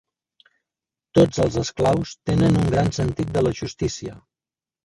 Tots els esclaus tenen un gran sentit de la justícia.